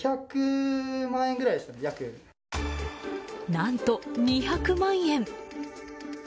何と２００万円。